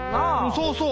そうそう！